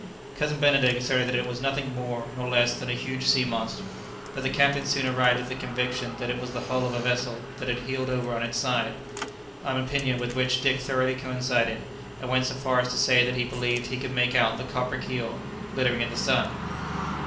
Cousin Benedict asserted that it was nothing more nor less than a huge sea monster; but the captain soon arrived at the conviction that it was the hull of a vessel that had heeled over on to its side, an opinion with which Dick thoroughly coincided, and went so far as to say that he believed he could make out the copper keel glittering in the sun.